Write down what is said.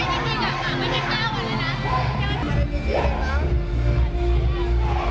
ตอนนี้ไม่ต้องเลือกแล้วเค้าสวยทั้งสองกล้อง